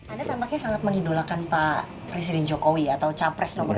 anda tampaknya sangat mengidolakan pak presiden jokowi atau capres nomor dua